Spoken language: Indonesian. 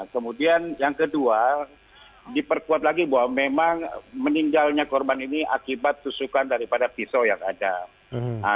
kemudian yang kedua diperkuat lagi bahwa memang meninggalnya korban ini akibat tusukan daripada pisau yang ada